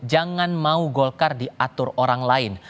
jangan mau golkar diatur orang lain